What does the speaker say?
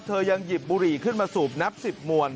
ยังหยิบบุหรี่ขึ้นมาสูบนับ๑๐มวล